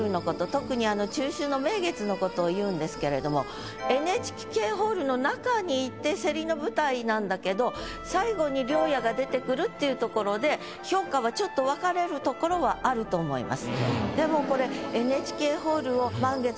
特に中秋の名月のことをいうんですけれどもＮＨＫホールの中にいてセリの舞台なんだけど最後に「良夜」が出てくるっていうところで評価はちょっとわかれるところはあると思います。